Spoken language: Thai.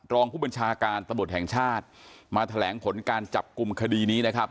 รองผู้บัญชาการตำรวจแห่งชาติมาแถลงผลการจับกลุ่มคดีนี้นะครับ